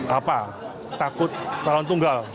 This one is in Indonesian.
apa takut calon tunggal